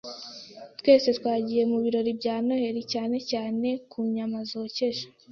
Twese twagiye mu birori bya Noheri, cyane cyane ku nyama zokeje.